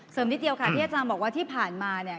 นิดเดียวค่ะที่อาจารย์บอกว่าที่ผ่านมาเนี่ย